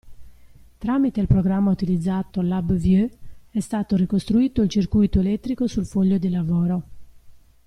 Tramite il programma utilizzato (LabVIEW) è stato ricostruito il circuito elettrico sul foglio di lavoro.